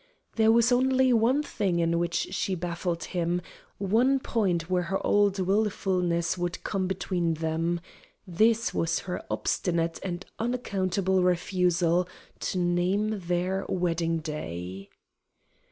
There was only one thing in which she baffled him, one point where her old wilfulness would come between them. This was her obstinate and unaccountable refusal to name their wedding day.